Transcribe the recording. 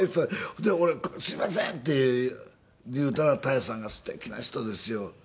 ほんで俺「すいません」って言うたら多江さんがすてきな人ですよ。